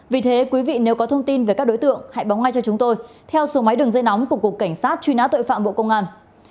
vì thế quý vị nếu có thông tin về các đối tượng hãy báo ngay cho chúng tôi theo số máy đường dây nóng của cục cảnh sát truy nã tội phạm bộ công an